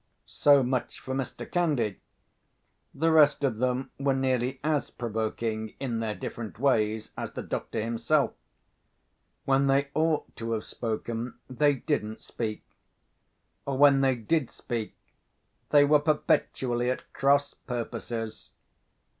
So much for Mr. Candy. The rest of them were nearly as provoking in their different ways as the doctor himself. When they ought to have spoken, they didn't speak; or when they did speak they were perpetually at cross purposes.